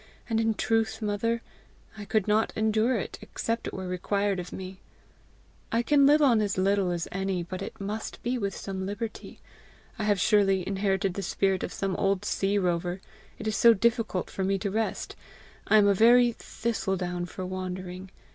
And in truth, mother, I could not endure it except it were required of me. I can live on as little as any, but it must be with some liberty. I have surely inherited the spirit of some old sea rover, it is so difficult for me to rest! I am a very thistle down for wandering!